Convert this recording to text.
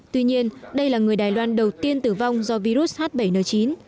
tuy nhiên đây là người đài loan đầu tiên tử vong do virus h bảy n chín